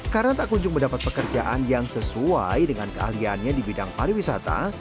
karena tak kunjung mendapat pekerjaan yang sesuai dengan keahliannya di bidang pariwisata